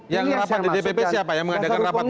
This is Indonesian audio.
yang rapat di dpp siapa yang mengadakan rapat pleno